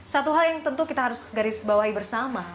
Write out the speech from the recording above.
satu hal yang tentu kita harus garis bawahi bersama